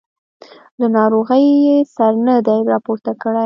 له ناروغۍ یې سر نه دی راپورته کړی.